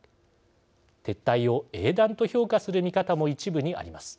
撤退を英断と評価する見方も一部にあります。